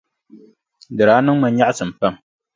Di daa niŋ ma nyaɣisim pam.